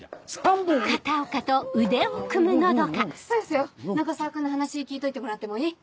そよそよ永沢君の話聞いといてもらってもいい？